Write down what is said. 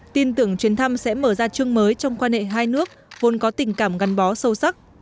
tin tưởng chuyến thăm sẽ mở ra chương mới trong quan hệ hai nước vốn có tình cảm gắn bó sâu sắc